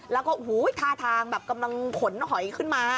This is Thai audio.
แล้วก็โอ้โหท่าทางแบบกำลังขนหอยขึ้นมา